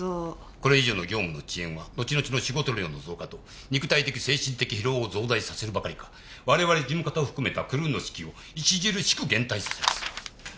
これ以上の業務の遅延はのちのちの仕事量の増加と肉体的精神的疲労を増大させるばかりか我々事務方を含めたクルーの士気を著しく減退させます。